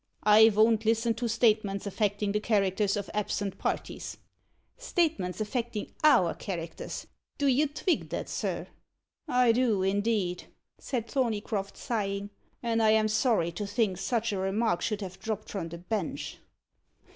I von't listen to statements affectin' the characters of absent parties.' Statements affectin' our characters, do you tvig that, sir?" "I do, indeed," said Thorneycroft, sighing; "and I am sorry to think such a remark should have dropped from the bench."